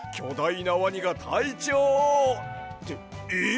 いなワニがたいちょうをってえっ！？